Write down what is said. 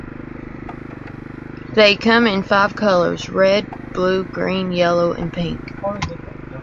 They come in five colors: red, blue, green, yellow, and pink.